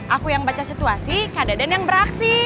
aku yang baca situasi kak deden yang beraksi